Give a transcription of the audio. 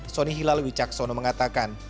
soni hilal wicaksono mengatakan